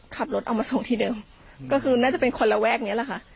ขับรถเอามาส่งที่เดิมก็คือน่าจะเป็นคนระแวกนี้แหละค่ะ